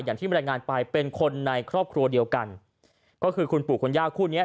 อย่างที่บรรยายงานไปเป็นคนในครอบครัวเดียวกันก็คือคุณปู่คุณย่าคู่เนี้ย